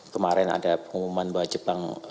kemarin ada pengumuman bahwa jepang